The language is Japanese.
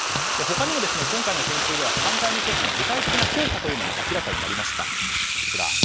他にも今回の研究で３回目接種の具体的な効果も明らかになりました。